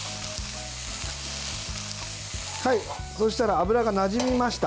そうしたら油がなじみました。